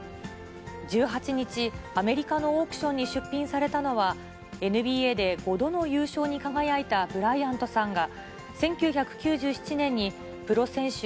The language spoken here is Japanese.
１８日、アメリカのオークションに出品されたのは、ＮＢＡで５度の優勝に輝いたブライアントさんが、１９９７年にプロ選手